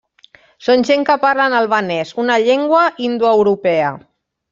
Són gent que parlen albanès, una llengua indoeuropea.